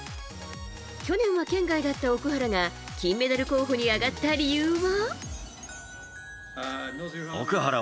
去年は圏外だった奥原が金メダル候補に挙がった理由は？